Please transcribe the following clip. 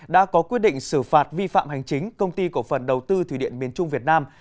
đã có quyết định xử phạt vi phạm hành chính công ty cổ phần đầu tư thủy điện miền trung việt nam